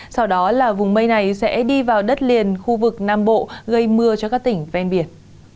sau đó là vùng mây này sẽ đi vào đất liền khu vực nam bộ gây mưa cho các tỉnh ven biển